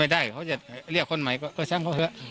ได้เขาจะเรียกคนใหม่ก็ช่างเขาเถอะ